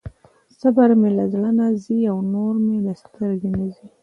صبر مې له زړه نه ځي او نور مې له سترګې نه ځي.